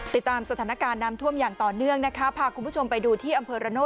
ติดตามสถานการณ์น้ำท่วมอย่างต่อเนื่องนะคะพาคุณผู้ชมไปดูที่อำเภอระโน่